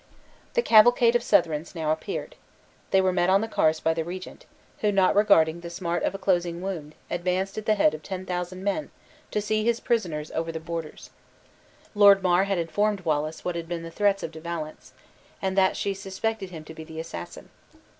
The cavalcade of Southrons now appeared. They were met on the Carse by the regent, who, not regarding the smart of a closing wound, advanced at the head of ten thousand men to see his prisoners over the borders. By Helen's desire, Lord Mar had informed Wallace what had been the threats of De Valence, and that she suspected him to be the assassin.